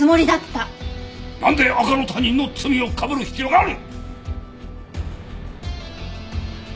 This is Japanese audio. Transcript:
なんで赤の他人の罪をかぶる必要がある！？